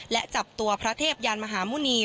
และจับตัวพระเทพยานมหาหมุณี